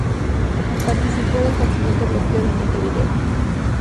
Participó del consiguiente bloqueo de Montevideo.